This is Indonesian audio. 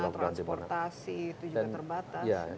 transportasi itu juga terbatas